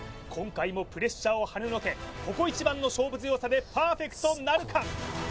今回もプレッシャーをはねのけここ一番の勝負強さでパーフェクトなるか？